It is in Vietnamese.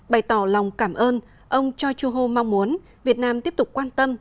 bày tỏ lòng cảm ơn ông choi chu ho mong muốn việt nam tiếp tục quan tâm